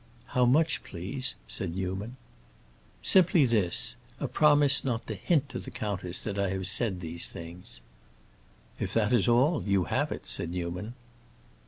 "How much, please?" said Newman. "Simply this: a promise not to hint to the countess that I have said these things." "If that is all, you have it," said Newman.